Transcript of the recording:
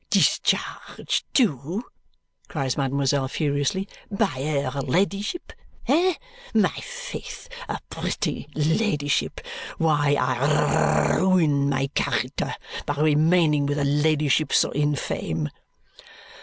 "Discharge, too," cries mademoiselle furiously, "by her ladyship! Eh, my faith, a pretty ladyship! Why, I r r r ruin my character by remaining with a ladyship so infame!"